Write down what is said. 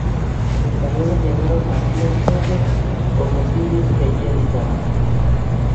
Los españoles llamaron así al pueblo por los indios que allí habitaban.